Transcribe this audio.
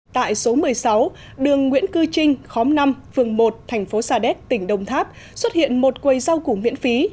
tại số một mươi sáu đường nguyễn cư trinh khóm năm phường một thành phố sa đéc tỉnh đồng tháp xuất hiện một quầy rau củ miễn phí